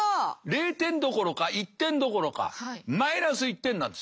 ０点どころか１点どころかマイナス１点なんです。